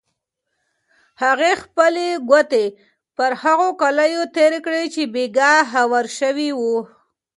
هغې خپلې ګوتې پر هغو کالیو تېرې کړې چې بېګا هوار شوي وو.